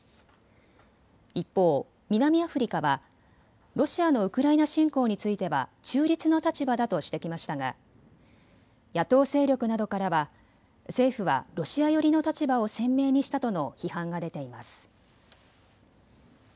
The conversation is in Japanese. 一方、南アフリカはロシアのウクライナ侵攻については中立の立場だとしてきましたが野党勢力などからは政府はロシア寄りの立場を鮮明にしたとの批判が出ています。